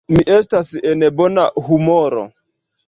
Mi estas en bona humoro.